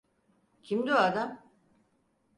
Kimdi o adam?